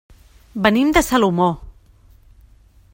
Venim de Salomó.